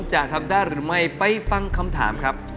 จะทำได้หรือไม่ไปฟังคำถามครับ